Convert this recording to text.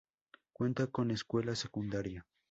Cuenta con escuela secundaria.